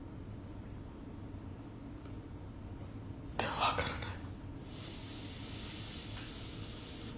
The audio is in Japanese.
でも分からない。